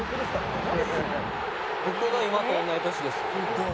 僕が今と同じ年です。